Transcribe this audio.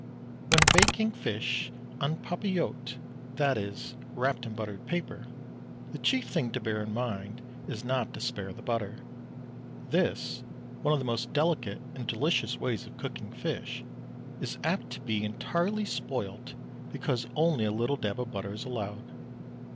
When baking fish en papillot, that is wrapped in buttered paper, the chief thing to bear in mind is not to spare the butter. This, one of the most delicate and delicious ways of cooking fish, is apt to be entirely spoilt, because only a little dab of butter is allowed.